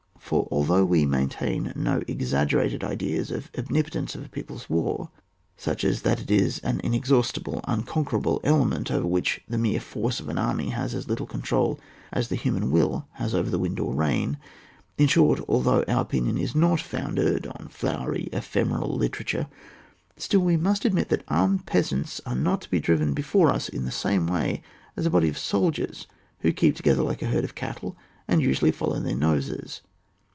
For although we enter tain no exaggerated ideas of the omni potence of a people's war, such as that it is an inexhaustible, unconquerable element, over which the mere force of an army has as little control as the human will has over the wind or the rain; in short, although our opinion is not founded on flowery ephemeral literature, still we must admit that armed peasants are not to be driven before us in the same way as a body of soldiers who keep together like a herd of cattle, and usually follow their noses.